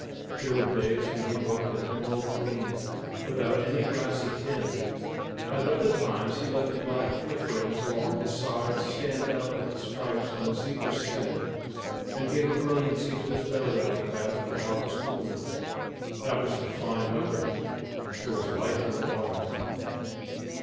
There were days when he looked an emerald green, without any brassy tinge; at other times he let the black flickerings along his sides stand out like the stripes on a zebra's skin, and gave a brilliancy to his belly like that of the harvest moon. That was for fine weather. There was life in the water then!